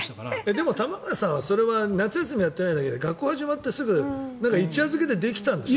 でも玉川さんは、それは夏休みにやっていないだけで学校が始まってからは一夜漬けでできたんでしょ。